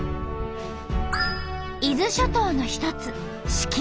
伊豆諸島の一つ式根島。